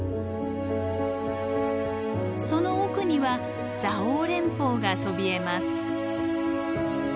その奥には蔵王連峰がそびえます。